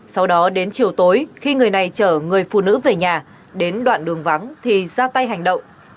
sau đó đến chiều tối khi người này chở người phụ nữ về nhà đến đoạn đường vắng thì ra tay hành động